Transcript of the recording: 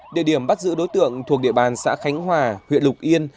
địa điểm bắt giữ đối tượng thuộc địa bàn xã khánh hòa huyện lục yên